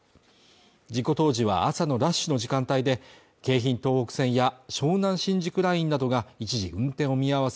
事故当時は朝のラッシュの時間帯で京浜東北線や湘南新宿ラインなどが一時運転を見合わせ